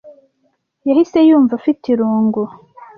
yahise yumva afite irungu